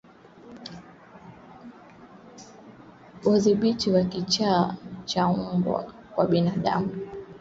Udhibiti wa kichaa cha mbwa kwa binadamu ni kutoa elimu kwa umma